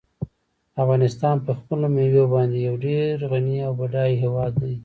افغانستان په خپلو مېوو باندې یو ډېر غني او بډای هېواد دی.